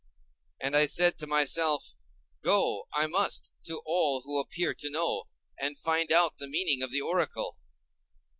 And I said to myself, Go I must to all who appear to know, and find out the meaning of the oracle.